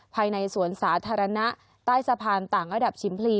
ภายในสวนสาธารณะใต้สะพานต่างระดับชิมพลี